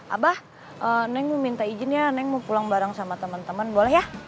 abah neng mau minta izin ya neng mau pulang bareng sama temen temen boleh ya